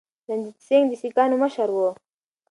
رنجیت سنګ د سکانو مشر و.